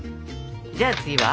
じゃあ次は？